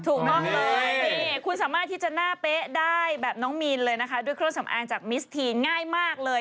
ถูกต้องเลยนี่คุณสามารถที่จะหน้าเป๊ะได้แบบน้องมีนเลยนะคะด้วยเครื่องสำอางจากมิสทีนง่ายมากเลย